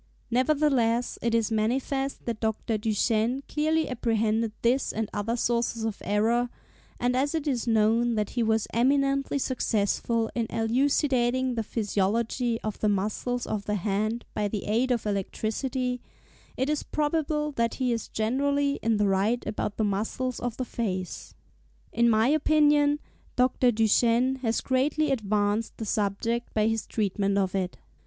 Nevertheless, it is manifest that Dr. Duchenne clearly apprehended this and other sources of error, and as it is known that he was eminently successful in elucidating the physiology of the muscles of the hand by the aid of electricity, it is probable that he is generally in the right about the muscles of the face. In my opinion, Dr. Duchenne has greatly advanced the subject by his treatment of it.